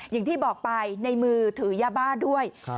อย่างที่บอกไปในมือถือยาบ้าด้วย